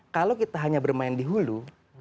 kalau kita hanya bermain di hulu